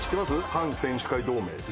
反選手会同盟って。